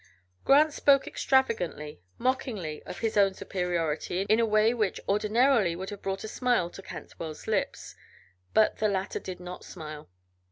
Grant spoke extravagantly, mockingly, of his own superiority in a way which ordinarily would have brought a smile to Cantwell's lips, but the latter did not smile.